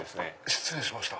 失礼しました。